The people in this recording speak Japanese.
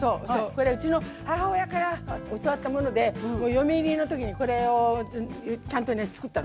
これうちの母親から教わったもので嫁入りの時にこれをちゃんとね作ったのこれ。